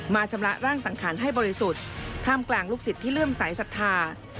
ชำระร่างสังขารให้บริสุทธิ์ท่ามกลางลูกศิษย์ที่เลื่อมสายศรัทธา